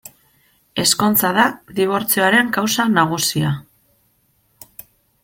Ezkontza da dibortzioaren kausa nagusia.